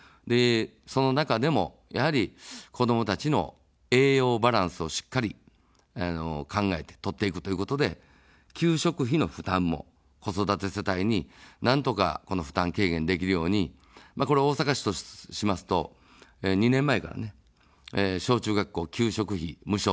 その中でも、やはり子どもたちの栄養バランスをしっかり考えて、摂っていくということで、給食費の負担も子育て世帯になんとか負担軽減できるように、これは大阪市としますと２年前から、小中学校、給食費無償と。